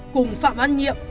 cùng phạm văn nhiệm